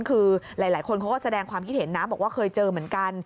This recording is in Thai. คือหลายคนเขาก็แสดงความคิดเห็นนะบอกว่าเคยเจอเหมือนกัน